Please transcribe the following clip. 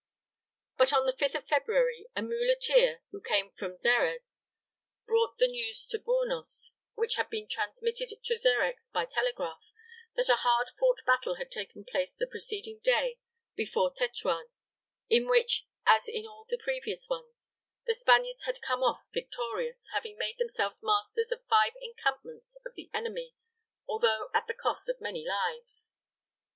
But on the 5th of February a muleteer, who came from Xerez, brought the news to Bornos, which had been transmitted to Xerez by telegraph, that a hard fought battle had taken place the preceding day before Tetuan, in which, as in all the previous ones, the Spaniards had come off victorious, having made themselves masters of five encampments of the enemy, although at the cost of many lives.